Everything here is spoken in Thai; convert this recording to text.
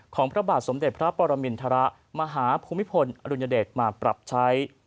ของพระบาทสมเด็จพระปรมิณฑระมหาภูมิพลอรุณเดชน์มาปรับใช้